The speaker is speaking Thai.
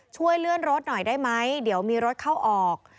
ช่วยเลื่อนรถหน่อยได้ไหมเดี๋ยวมีรถเข้าออก